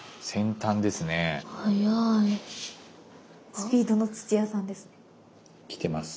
スピードの土屋さんですね。